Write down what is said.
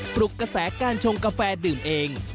ปลุกกระแสการชงกาแฟดื่มเอง